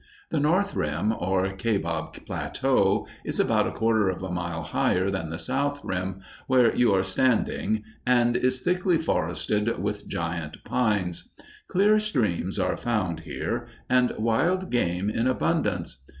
The north rim, or Kaibab Plateau, is about a quarter of a mile higher than the south rim, where you are standing, and is thickly forested with giant pines. Clear streams are found here, and wild game in abundance.